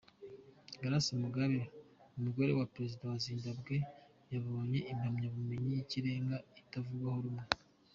Grace Mugabe, umugore wa perezida wa Zimbabwe yabonye impamyabumenyi y'ikirenga itavugwaho rumwe.